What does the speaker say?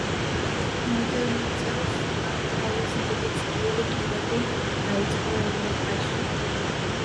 მომდევნო წელს, მა თავის „დიდი წრიული ტურები“ დაიწყო ევროპაში.